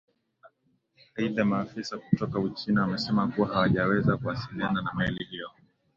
aidhaa maafisa kutoka uchina wamesema kuwa hawajaweza kuasiliana na meli hiyo